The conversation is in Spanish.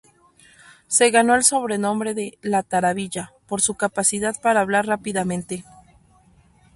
Se ganó el sobrenombre de "La Tarabilla" por su capacidad para hablar rápidamente.